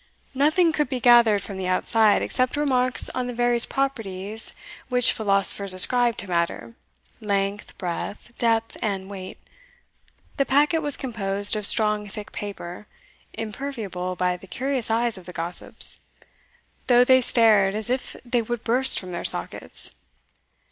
Nothing could be gathered from the outside, except remarks on the various properties which philosophers ascribe to matter, length, breadth, depth, and weight, The packet was composed of strong thick paper, imperviable by the curious eyes of the gossips, though they stared as if they would burst from their sockets.